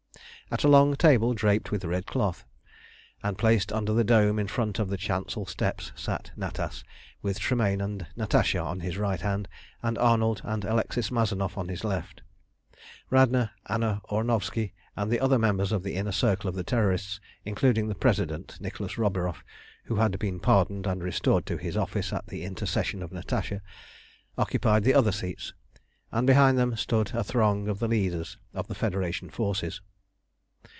At a long table draped with red cloth, and placed under the dome in front of the chancel steps, sat Natas, with Tremayne and Natasha on his right hand, and Arnold and Alexis Mazanoff on his left. Radna, Anna Ornovski, and the other members of the Inner Circle of the Terrorists, including the President, Nicholas Roburoff, who had been pardoned and restored to his office at the intercession of Natasha, occupied the other seats, and behind them stood a throng of the leaders of the Federation forces.